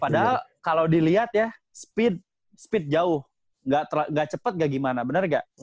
padahal kalau dilihat ya speed jauh gak cepat gak gimana bener gak